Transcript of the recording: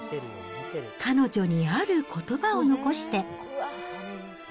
彼女にあることばを残して。